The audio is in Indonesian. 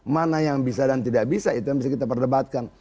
mana yang bisa dan tidak bisa itu yang bisa kita perdebatkan